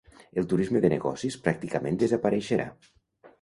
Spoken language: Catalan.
El turisme de negocis pràcticament desapareixerà.